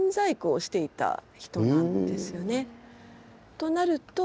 となると。